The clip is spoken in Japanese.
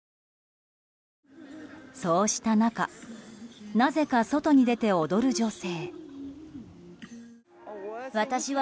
そうした中なぜか外に出て踊る女性。